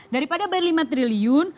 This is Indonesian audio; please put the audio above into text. daripada bayar lima triliun